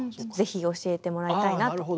是非教えてもらいたいなと。